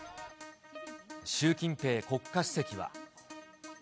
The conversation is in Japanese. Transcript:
習近平国家主席は。